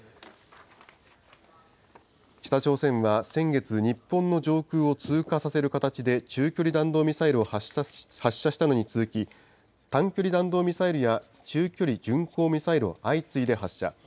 北朝鮮は先月、日本の上空を通過させる形で、中距離弾道ミサイルを発射したのに続き、短距離弾道ミサイルや中距離巡航ミサイルを相次いで発射。